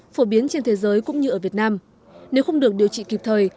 phổ biến trên thế giới cũng như ở việt nam nếu không được điều trị kịp thời